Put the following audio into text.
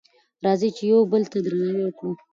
راځئ چې یو بل ته درناوی وکړو.